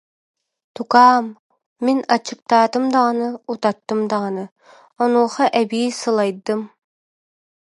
Тукаам, мин аччыктаатым даҕаны, утаттым даҕаны, онуоха эбии сылайдым